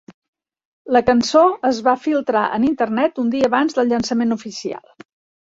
La cançó es va filtrar en Internet un dia abans del llançament oficial.